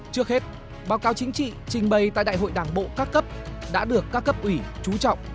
trước hết báo cáo chính trị trình bày tại đại hội đảng bộ các cấp đã được các cấp ủy trú trọng